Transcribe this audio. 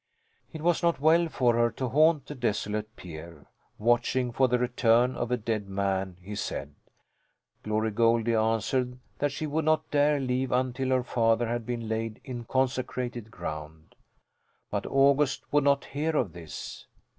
It was not well for her to haunt the desolate pier, watching for the return of a dead man, he said. Glory Goldie answered that she would not dare leave until her father had been laid in consecrated ground. But August would not hear of this.